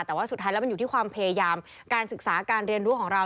แต่ว่าสุดท้ายแล้วมันอยู่ที่ความพยายามการศึกษาการเรียนรู้ของเรา